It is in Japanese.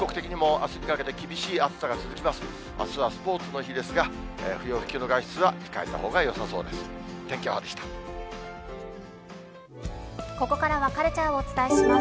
あすはスポーツの日ですが、不要不急の外出は控えたほうがよさそうです。